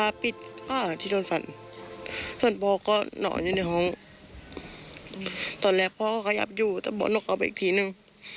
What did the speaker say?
หนูได้เข้าไปประคองพ่อไหมหรือพูดอะไรกับพ่ออล่ะนั้น